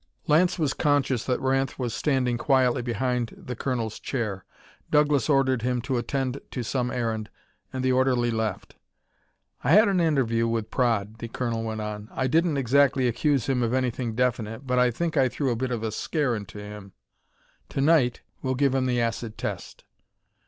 Lance was conscious that Ranth was standing quietly behind the colonel's chair. Douglas ordered him to attend to some errand and the orderly left. "I had an interview with Praed," the colonel went on. "I didn't exactly accuse him of anything definite, but I think I threw a bit of a scare into him. To night we'll give him the acid test.